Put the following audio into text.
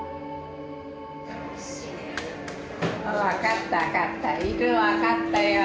分かった分かった分かったよ